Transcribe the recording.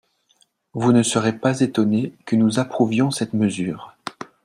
Vous ne serez pas étonnés que nous approuvions cette mesure.